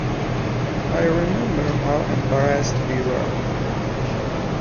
I remember how embarrassed we were.